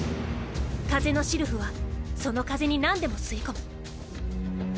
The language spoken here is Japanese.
風のシルフはその風に何でも吸い込む。